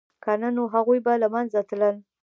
که نه نو هغوی به له منځه تلل